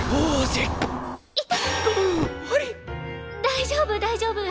大丈夫大丈夫。